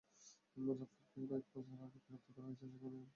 মোজাফফরকে কয়েক মাস আগে গ্রেপ্তার করা হয়েছিল, এখন জামিনে মুক্ত আছেন।